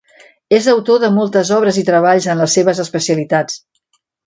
És autor de moltes obres i treballs en les seves especialitats.